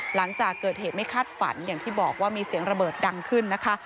หลังจากเกิดเหตุไม่คาดฝันอย่างที่บอกว่ามีเสียงระเบิดดังขึ้นนะคะ